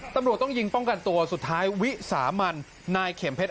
ตำรวจต้องยิงป้องกันตัวสุดท้ายวิสามันนายเข็มเพชร